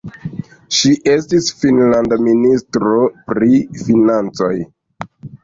Ŝi estis finnlanda ministro pri financoj.